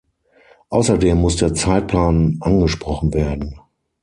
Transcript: Außerdem muss der Zeitplan angesprochen werden.